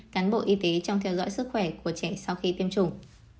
cán bộ y tế trong theo dõi sức khỏe của trẻ sau khi tiêm chủng